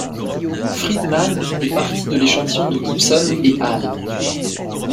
Freedman est partie de l’échantillon de Gibson et al.